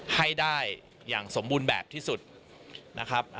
ให้ได้อย่างสมบูรณ์แบบที่สุดนะครับ